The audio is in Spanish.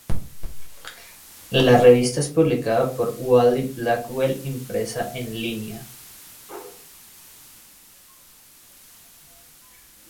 La revista es publicada por Wiley-Blackwell impresa y en línea.